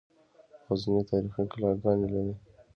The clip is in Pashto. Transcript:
غزني تاریخي کلاګانې لري